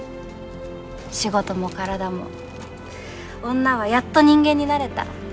仕事も体も女はやっと人間になれた。